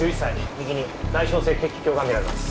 右に外傷性血気胸が見られます。